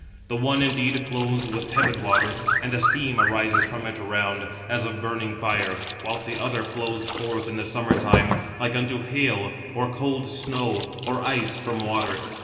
The one, indeed, flows with tepid water, and a steam arises from it around, as of burning fire; whilst the other flows forth in the summer time, like unto hail, or cold snow, or ice from water.